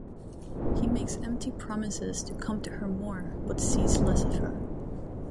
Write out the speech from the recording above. He makes empty promises to come to her more but sees less of her.